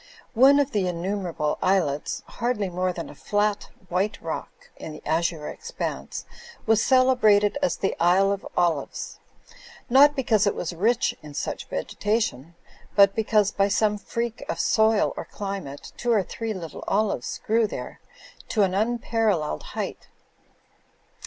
One of the in numerable islets, hardly more than a flat white rock in the azure expanse, was celebrated as the Isle of Olives; not because it was rich in such vegetation, but because, by some freak of soil or climate, two or three little olives grew there to an unparalleled height.